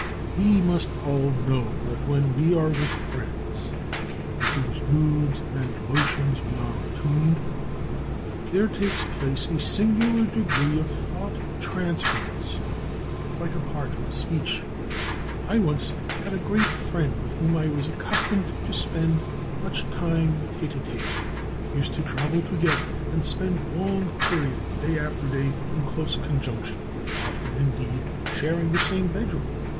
We must all know that when we are with friends to whose moods and emotions we are attuned, there takes place a singular degree of thought transference, quite apart from speech. I had once a great friend with whom I was accustomed to spend much time tete a tete. We used to travel together and spend long periods, day after day, in close conjunction, often indeed sharing the same bedroom.